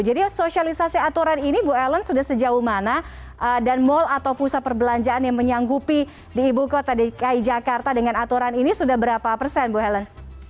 jadi sosialisasi aturan ini bu ellen sudah sejauh mana dan mal atau pusat perbelanjaan yang menyanggupi di ibu kota dki jakarta dengan aturan ini sudah berapa persen bu helen